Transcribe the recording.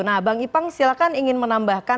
nah bang ipang silahkan ingin menambahkan